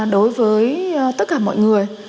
đối với tất cả mọi người